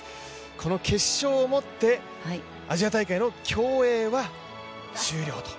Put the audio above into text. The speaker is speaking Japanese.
この決勝をもってアジア大会の競泳は終了と。